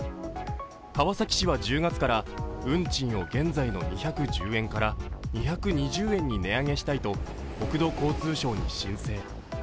川崎市は１０月から運賃を現在の２１０円から２２０円に値上げしたいと国土交通省に申請。